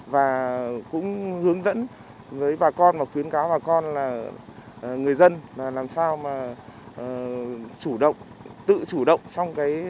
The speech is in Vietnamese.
và cũng hướng dẫn với bà con và khuyến cáo bà con là người dân làm sao mà tự chủ động